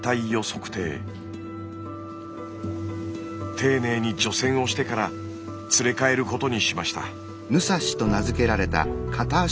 丁寧に除染をしてから連れ帰ることにしました。